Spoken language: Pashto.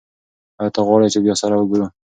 ایا ته غواړې چې بیا سره وګورو؟